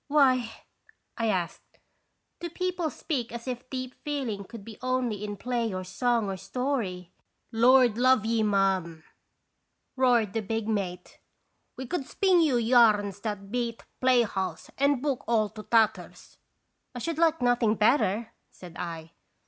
"Why," I asked, "do people speak as if deep feeling could be only in play or song or story?" "Lord love ye, ma'am!" roared the big 164 21 (B>rad0B0 bisitation. mate, "we could spin you yarns that beat playhouse and book all to tatters." " I should like nothing better," said I.